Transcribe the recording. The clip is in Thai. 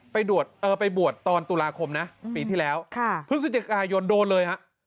ไปดวดเออไปบวชตอนตุลาคมนะปีที่แล้วค่ะพฤศจิกายนโดนเลยฮะ